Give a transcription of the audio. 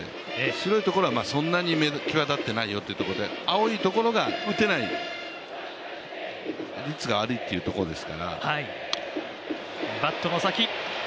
白いところはそんなに際立っていないというところで青いところが打てない率が悪いというところです。